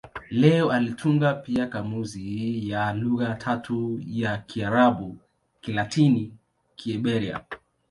Leo alitunga pia kamusi ya lugha tatu za Kiarabu-Kilatini-Kiebrania.